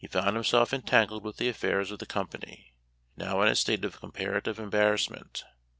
found himself entangled with the affairs of the company, now in a state of comparative embar rassment.